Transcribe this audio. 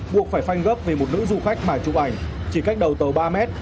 buộc phải phanh gấp vì một nữ du khách mài chụp ảnh chỉ cách đầu tàu ba m